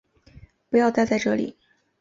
不要待在这里